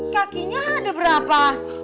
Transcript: kakinya ada berapa